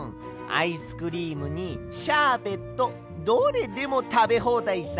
アイスクリームにシャーベットどれでもたべほうだいさ。